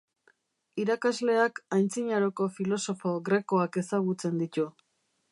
Irakasleak antzinaroko filosofo grekoak ezagutzen ditu.